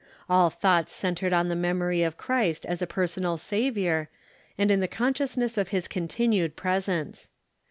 All thoughts centred in the memory of Christ as a personal Saviour, and in the conscious ness of his continued presence.